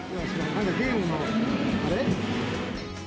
なんかゲームのあれ？